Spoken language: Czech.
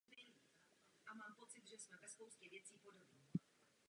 Všechny tyto činy ve jménu spravedlnosti se staly jeho zhoubou.